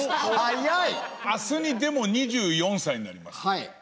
明日にでも２４歳になります。